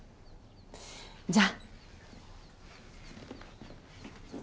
じゃあ。